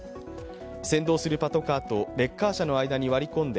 先導するパトカーとレッカー車の間に割り込んで